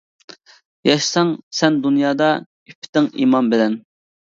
ياشىساڭ سەن دۇنيادا، ئىپپىتىڭ ئىمان بىلەن.